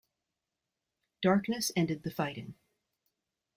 Darkness ended the fighting.